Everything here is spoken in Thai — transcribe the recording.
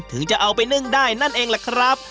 ถึงจะเอาไปนึ่งได้นั่นเองล่ะครับ